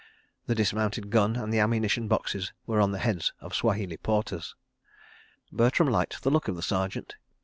The dismounted gun and the ammunition boxes were on the heads of Swahili porters. Bertram liked the look of the Sergeant.